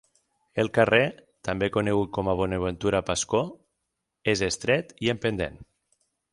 El carrer, també conegut com a Bonaventura Pascó, és estret i amb pendent.